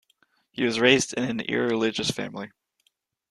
He was raised in an irreligious family.